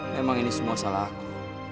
memang ini semua salah aku